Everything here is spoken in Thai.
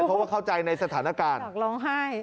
เพราะว่าเข้าใจในสถานการณ์อยากร้องไห้